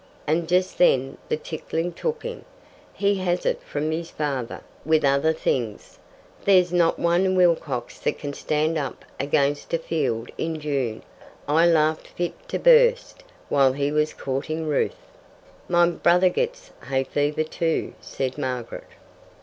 And just then the tickling took him. He has it from his father, with other things. There's not one Wilcox that can stand up against a field in June I laughed fit to burst while he was courting Ruth." "My brother gets hay fever too," said Margaret.